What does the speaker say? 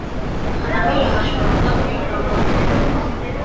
Խնամել է հաշմանդամ եղբորորդուն։